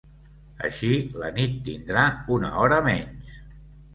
Així, la nit tindrà una hora menys.